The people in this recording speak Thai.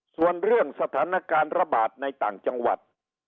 ส่วนเรื่องสถานการณ์ระบาดในต่างจังหวัด